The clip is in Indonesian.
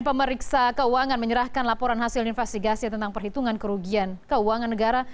pemeriksa keuangan menyerahkan laporan hasil investigasi tentang perhitungan kerugian keuangan negara